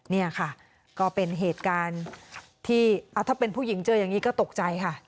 นี่ค่ะก็เป็นเหตุการณ์ที่ถ้าเป็นผู้หญิงเจออย่างนี้ก็ตกใจค่ะ